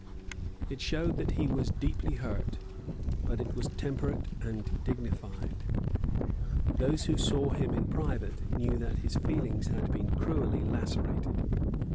It showed that he was deeply hurt; but it was temperate and dignified. Those who saw him in private knew that his feelings had been cruelly lacerated.